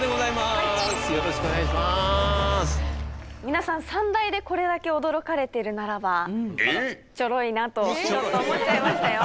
皆さん三大でこれだけ驚かれているならばチョロいなとちょっと思っちゃいましたよ。